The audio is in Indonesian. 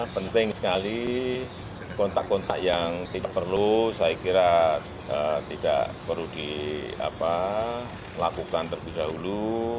penting sekali kontak kontak yang tidak perlu saya kira tidak perlu dilakukan terlebih dahulu